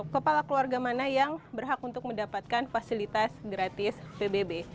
kepala keluarga mana yang berhak untuk mendapatkan fasilitas gratis pbb